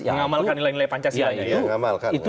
mengamalkan nilai nilai pancasilai